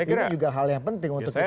itu juga hal yang penting untuk kita bisa